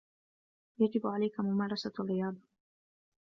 يجب عليك ممارسة الرياضة.